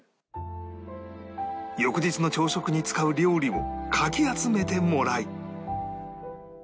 翌日の朝食に使う料理をかき集めてもらい